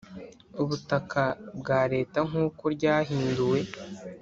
ubutaka bwa Leta nk uko ryahinduwe